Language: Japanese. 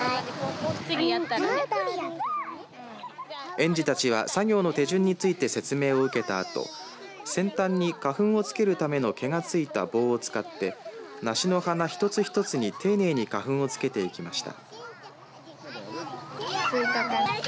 園児たちは作業の手順について説明を受けたあと先端に花粉を付けるための毛が付いた棒を使って梨の花一つ一つに丁寧に花粉を付けていきました。